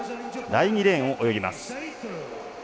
第２レーンを泳ぎます。